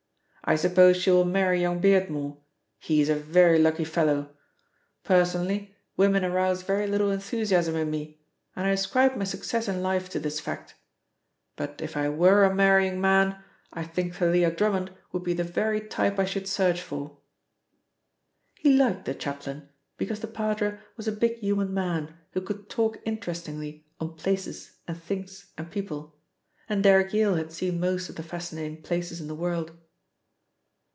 "I suppose she will marry young Beardmore he is a very lucky fellow. Personally, women arouse very little enthusiasm in me, and I ascribe my success in life to this fact. But if I were a marrying man, I think Thalia Drummond would be the very type I should search for." He liked the chaplain because the padre was a big human man who could talk interestingly on places and things and people, and Derrick Yale had seen most of the fascinating places in the world.